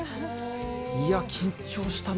いや、緊張したな。